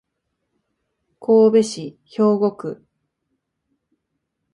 神戸市兵庫区